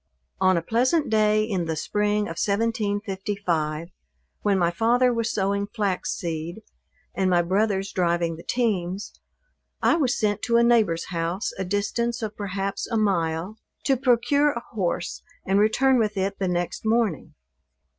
On a pleasant day in the spring of 1755, when my father was sowing flax seed, and my brothers driving the teams, I was sent to a neighbor's house, a distance of perhaps a mile, to procure a horse and return with it the next morning.